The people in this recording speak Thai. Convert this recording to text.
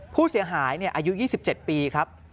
ผู้เสียหายอายุ๒๗ปีครับ